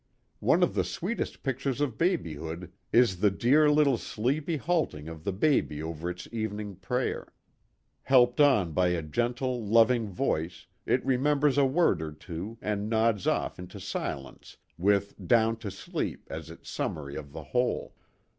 One of the sweetest pictures of babyhood is the dear little sleepy halting of the baby over its evening prayer ; helped on by a gentle loving voice, it remembers a word or two and nods off into silence with " down to sleep " as its summary of the whole.